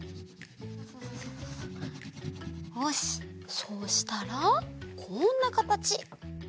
そうしたらこんなかたち。